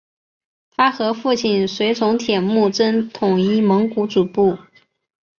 他和父亲随从铁木真统一蒙古诸部。